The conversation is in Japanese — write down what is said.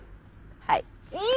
はい。